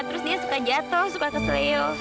terus dia suka jatuh suka keselio